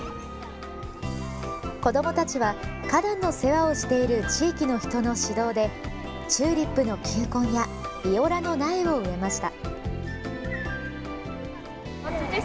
子どもたちは花壇の世話をしている地域の人の指導でチューリップの球根やビオラの苗を植えました。